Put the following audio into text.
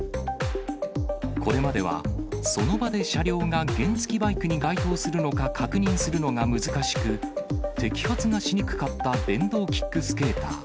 これまでは、その場で車両が原付バイクに該当するのか確認するのが難しく、摘発がしにくかった電動キックスケーター。